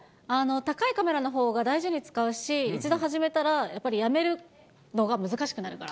高いカメラのほうが大事に使うし、一度始めたら、やっぱりやめるのが難しくなるから。